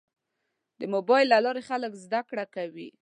د موبایل له لارې خلک زده کړه کوي.